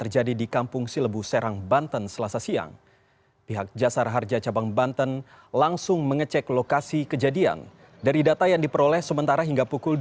jasa harja cabang banten